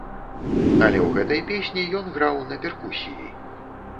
Але ў гэтай песні ён граў на перкусіі.